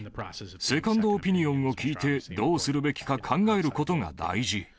セカンドオピニオンを聞いて、どうするべきか考えることが大事。